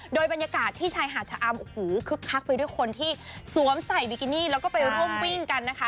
โดยบรรยากาศที่ชายหาดชะอำโอ้โหคึกคักไปด้วยคนที่สวมใส่บิกินี่แล้วก็ไปร่วมวิ่งกันนะคะ